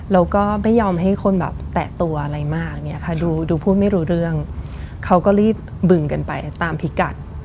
แล้วก็ไม่ยอมให้คนแบบแตะตัวอะไรมากเนี่ยค่ะดูพูดไม่รู้เรื่องเขาก็รีบบึงกันไปตามพิกัด